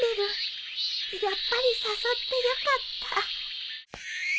やっぱり誘ってよかった